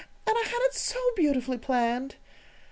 And I had it so beautifully planned!"